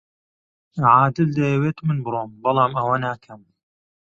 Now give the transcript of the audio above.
عادل دەیەوێت من بڕۆم، بەڵام ئەوە ناکەم.